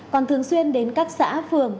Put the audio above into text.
còn thường xuyên đến các xã phường